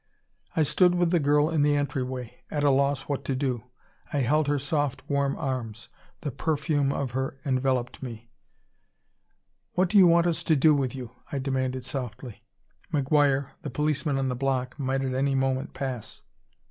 I stood with the girl in the entryway, at a loss what to do. I held her soft warm arms; the perfume of her enveloped me. "What do you want us to do with you?" I demanded softly. McGuire, the policeman on the block, might at any moment pass.